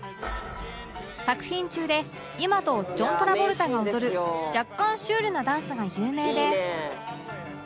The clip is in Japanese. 作品中でユマとジョン・トラボルタが踊る若干シュールなダンスが有名で